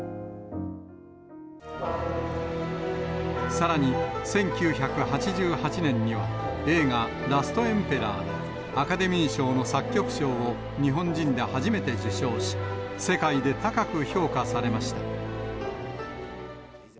さらに、１９８８年には映画、ラストエンペラーでアカデミー賞の作曲賞を日本人で初めて受賞し、世界で高く評価されました。